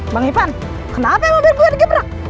bang ivan kenapa mobil gue digebrak